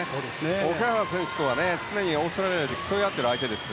オキャラハン選手とは常にオーストラリアで競い合っている選手です。